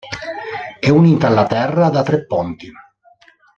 È unita alla terra da tre ponti.